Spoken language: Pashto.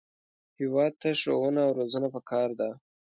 هېواد ته ښوونه او روزنه پکار ده